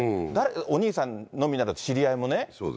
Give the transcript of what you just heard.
お兄さんのみならず知り合いもね。